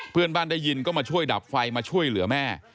ได้ยินก็มาช่วยดับไฟมาช่วยเหลือแม่